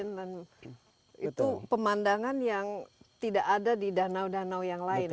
dan itu pemandangan yang tidak ada di danau danau yang lain